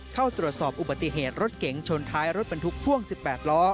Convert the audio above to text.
เข้าตรวจสอบอุบัติเหตุรถเก๋งชนท้ายรถบรรทุกพ่วง๑๘ล้อ